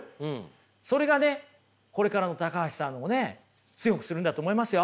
それがねこれからの橋さんをね強くするんだと思いますよ。